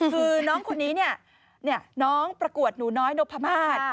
คือน้องคนนี้เนี่ยน้องประกวดหนูน้อยนพมาศ